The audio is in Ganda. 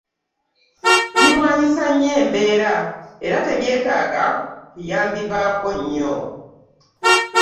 Birwanyisa nnyo embeera era tebyetaaga kuyambibwako nnyo.